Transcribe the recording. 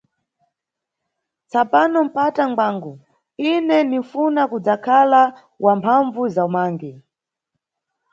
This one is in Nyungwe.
Tsapano mpata ngwangu, ine ninʼfuna kudzakhala wa mphambvu za umangi.